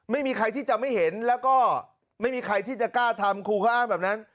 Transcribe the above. ไม่มีใครที่จะไม่เห็นแล้วก็ไม่มีใครที่จะกล้าทำครูเขาอ้างแบบนั้น